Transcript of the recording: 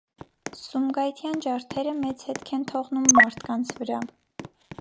Սումգայիթյան ջարդերը մեծ հետք են թողնում մարդկանց վրա։